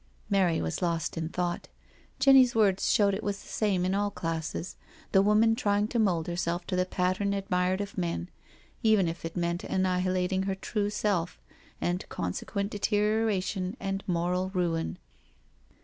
Mary was lost in thought. Jenny's words showed it was the same in all classes — the woman trying to mould herself to the pattern admired of man, even if it meant annihilating her true self, and consequent deterioration and moral ruin.